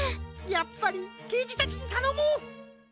やっぱりけいじたちにたのもう！